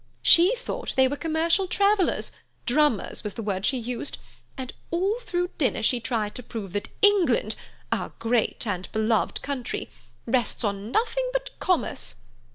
She thought they were commercial travellers—'drummers' was the word she used—and all through dinner she tried to prove that England, our great and beloved country, rests on nothing but commerce.